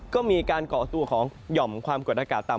ก็มีการก่อตัวของหย่อมความกดอากาศต่ำ